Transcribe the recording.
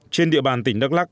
trên địa bàn tỉnh đắk lạc